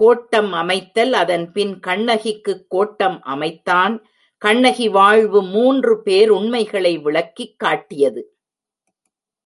கோட்டம் அமைத்தல் அதன் பின் கண்ணகிக்குக் கோட்டம் அமைத்தான் கண்ணகி வாழ்வு மூன்று பேருண்மைகளை விளக்கிக் காட்டியது.